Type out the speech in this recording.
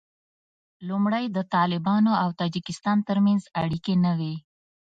لومړی د طالبانو او تاجکستان تر منځ اړیکې نه وې